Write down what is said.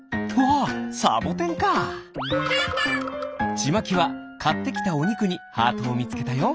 ちまきはかってきたおにくにハートをみつけたよ。